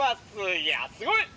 いやすごい！